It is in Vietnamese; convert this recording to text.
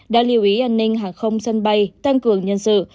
đã lưu ý an ninh hàng không sân bay tăng cường nhân sự